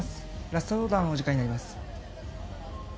ラストオーダーのお時間になります。